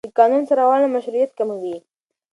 د قانون سرغړونه مشروعیت کموي